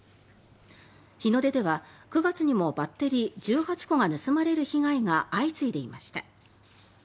日の出では９月にもバッテリー１８個が盗まれる被害が相次いでいました。